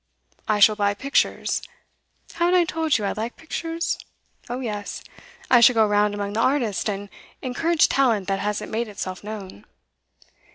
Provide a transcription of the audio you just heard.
I shall buy pictures. Haven't I told you I like pictures? Oh yes. I shall go round among the artists, and encourage talent that hasn't made itself known.